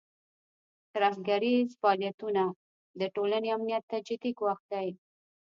ترهګریز فعالیتونه د ټولنې امنیت ته جدي ګواښ دی.